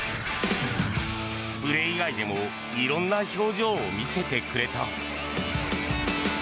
プレー以外でもいろんな表情を見せてくれた。